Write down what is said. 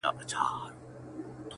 نه یم رسېدلی و سپېڅلي لېونتوب ته زه-